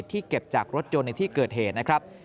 เก็บจากรถยนต์ในที่เกิดเหตุนะครับ